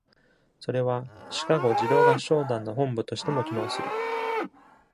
それは、シカゴ児童合唱団の本部としても機能する。